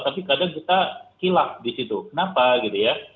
tapi kadang kita kilap di situ kenapa gitu ya